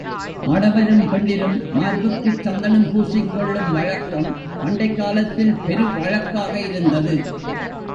ஆடவரும் பெண்டிரும் மார்புக்குச் சந்தனம் பூசிக்கொள்ளும் வழக்கம் பண்டைக் காலத்தில் பெரு வழக்காக இருந்தது.